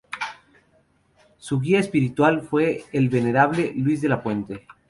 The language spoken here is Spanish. Su guía espiritual fue el venerable Luis de la Puente.